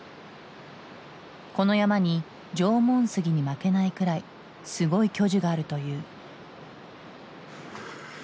この山に縄文杉に負けないくらいすごい巨樹があるという。